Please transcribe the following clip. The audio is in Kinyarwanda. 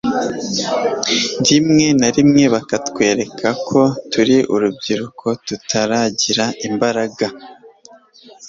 rimwe na rimwe bakatwereka ko turi urubyiruko tutaragira imbaraga